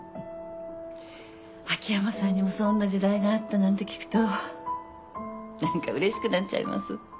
秋山さんにもそんな時代があったなんて聞くと何かうれしくなっちゃいます。